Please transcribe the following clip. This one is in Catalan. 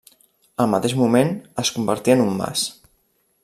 Al mateix moment, es convertí en un mas.